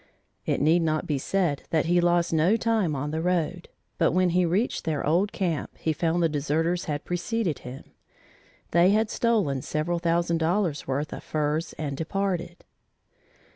It need not be said that he lost no time on the road, but when he reached their old camp, he found the deserters had preceded him. They had stolen several thousand dollars worth of furs and departed.